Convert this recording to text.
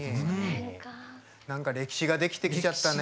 なんか歴史ができてきちゃったね。